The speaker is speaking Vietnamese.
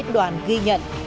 đoàn ghi nhận